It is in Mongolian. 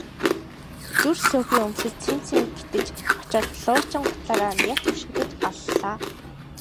Зүр сөөхий өмсөж сэм сэм гэтэж очоод луучин гутлаараа няц өшиглөж аллаа.